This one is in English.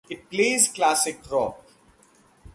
It plays classic rock.